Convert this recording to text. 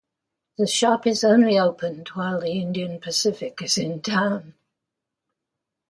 The shop is only opened while the Indian Pacific is in town.